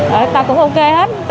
rồi ta cũng ok hết